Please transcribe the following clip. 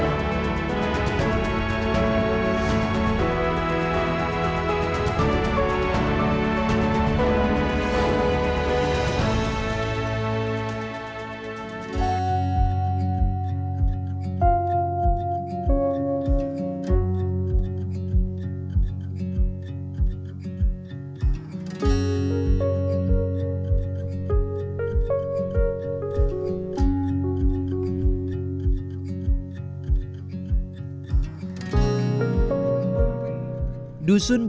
h tril empre lautész pun sudah terdapat depan tentara tersebut